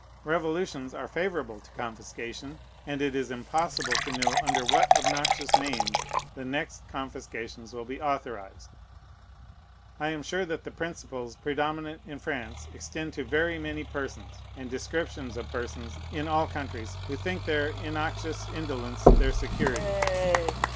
Revolutions are favorable to confiscation; and it is impossible to know under what obnoxious names the next confiscations will be authorized. I am sure that the principles predominant in France extend to very many persons, and descriptions of persons, in all countries, who think their innoxious indolence their security.